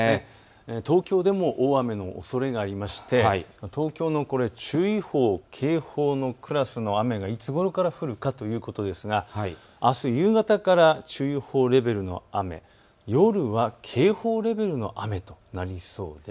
東京でも大雨のおそれがあって東京の注意報、警報のクラスの雨がいつごろから降るかということですがあす夕方から注意報レベルの雨、夜は警報レベルの雨となりそうです。